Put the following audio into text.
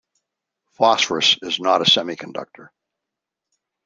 Phosphorus is not a semiconductor.